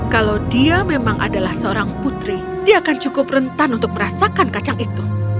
kalau dia memang adalah seorang putri dia akan cukup rentan untuk merasakan kacang itu